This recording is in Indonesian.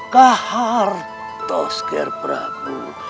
kehartus ger prabu